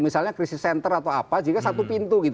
misalnya krisis center atau apa jika satu pintu gitu